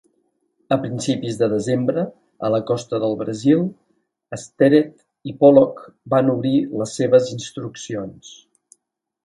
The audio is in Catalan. A principis de desembre, a la costa del Brasil, Sterett i Pollock van obrir les seves instruccions.